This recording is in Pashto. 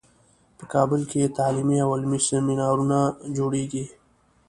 په کابل کې تعلیمي او علمي سیمینارونو جوړیږي